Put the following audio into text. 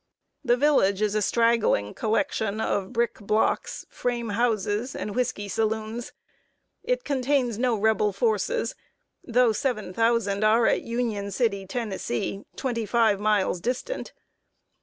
The village is a straggling collection of brick blocks, frame houses, and whisky saloons. It contains no Rebel forces, though seven thousand are at Union City, Tenn., twenty five miles distant.